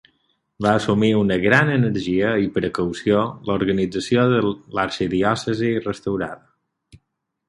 Va assumir una gran energia i precaució l'organització de l'Arxidiòcesi restaurada.